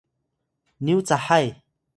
nyu cahay